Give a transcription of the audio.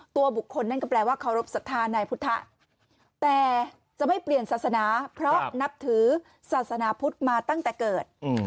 ตัวบุคคลนั่นก็แปลว่าเคารพสัทธานายพุทธแต่จะไม่เปลี่ยนศาสนาเพราะนับถือศาสนาพุทธมาตั้งแต่เกิด